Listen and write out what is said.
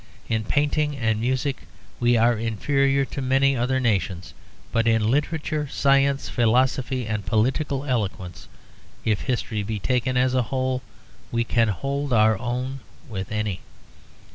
In painting and music we are inferior to many other nations; but in literature, science, philosophy, and political eloquence, if history be taken as a whole, we can hold our own with any.